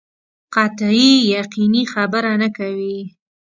قطعي یقیني خبره نه کوي.